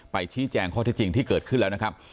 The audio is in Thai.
ชี้แจงข้อที่จริงที่เกิดขึ้นแล้วนะครับ